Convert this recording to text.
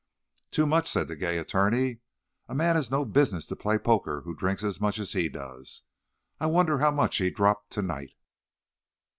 "Too much," said the gay attorney. "A man has no business to play poker who drinks as much as he does. I wonder how much he dropped to night."